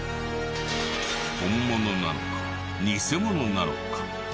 本物なのか偽物なのか。